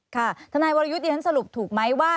ค่ะทนายวรยุทธ์เองสรุปถูกไหมว่า